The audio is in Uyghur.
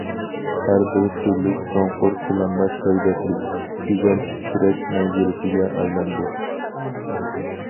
ھەربىر تۈرلۈك چوڭقۇر پىلانلاش ھەيۋەتلىك، گۈزەل كۈرەش مەنزىرىسىگە ئايلاندى.